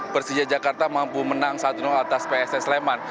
persija jakarta mampu menang satu atas pss leman